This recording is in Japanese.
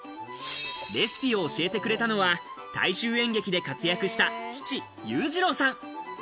レシピを教えてくれたのは、大衆演劇で活躍した父・雄次郎さん。